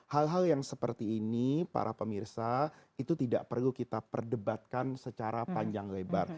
hal hal yang seperti ini para pemirsa itu tidak perlu kita perdebatkan secara panjang lebar